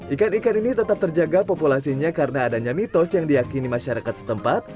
ikan ikan ini tetap terjaga populasinya karena adanya mitos yang diakini masyarakat setempat